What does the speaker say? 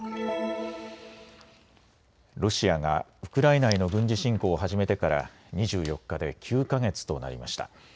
ロシアがウクライナへの軍事侵攻を始めてから２４日で９か月となりました。